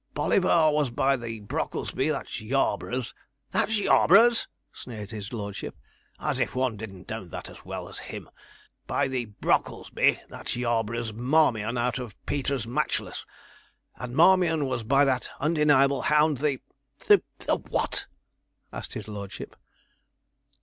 Bolivar was by the Brocklesby; that's Yarborough's " That's Yarborough's!' sneered his lordship, 'as if one didn't know that as well as him "by the Brocklesby; that's Yarborough's Marmion out of Petre's Matchless; and Marmion was by that undeniable hound, the " the what?' asked his lordship.